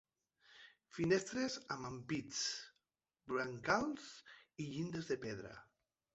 Finestres amb ampits, brancals i llindes de pedra.